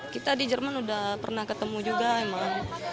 kita di jerman sudah pernah ketemu juga emang